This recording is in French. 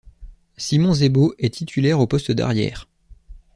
Simon Zebo est titulaire au poste d'arrière.